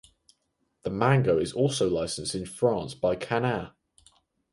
The manga is also licensed in France by Kana.